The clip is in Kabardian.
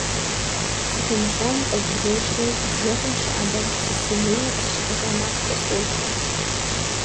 Сыкъимылъагъуу къызблокӀри, бжэкъум щыӀэбэм, сысымейуэ къысщыхъужа макъкӀэ соджэ.